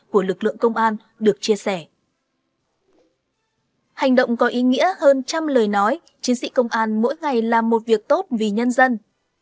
hành động có ý nghĩa hơn trăm lời nói chiến sĩ công an mỗi ngày làm một việc tốt vì nhân dân